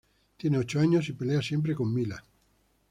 Tiene ocho años y pelea siempre con Mila.